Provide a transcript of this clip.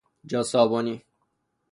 جا صابونی